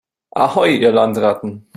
Ahoi, ihr Landratten!